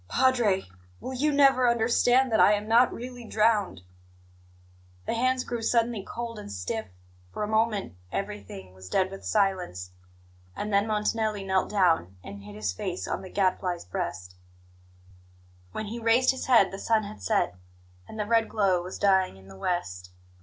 "Padre, will you never understand that I am not really drowned?" The hands grew suddenly cold and stiff. For a moment everything was dead with silence, and then Montanelli knelt down and hid his face on the Gadfly's breast. When he raised his head the sun had set, and the red glow was dying in the west.